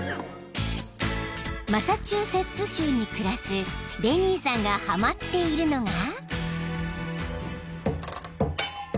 ［マサチューセッツ州に暮らすレニーさんがはまっているのが］